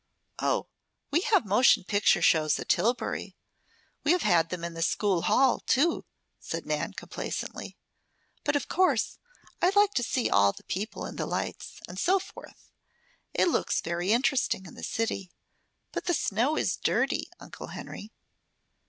"Oh, we have motion picture shows at Tillbury. We have had them in the school hall, too," said Nan complacently. "But, of course, I'd like to see all the people and the lights, and so forth. It looks very interesting in the city. But the snow is dirty, Uncle Henry."